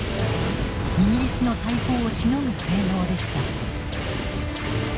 イギリスの大砲をしのぐ性能でした。